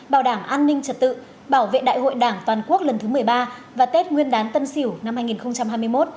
bảo đảm an ninh trật tự bảo vệ đại hội đảng toàn quốc lần thứ một mươi ba và tết nguyên đán tân sỉu năm hai nghìn hai mươi một